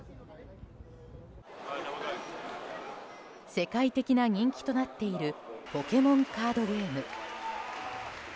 世界的な人気となっているポケモンカードゲーム。